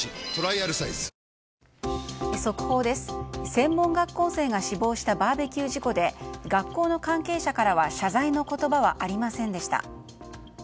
専門学校生が死亡したバーベキュー事故で学校の関係者から謝罪の言葉はありませんでした。